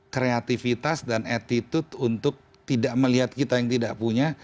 kreativitas dan attitude untuk tidak melihat kita yang tidak punya